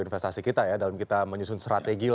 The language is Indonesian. investasi kita ya dalam kita menyusun strategi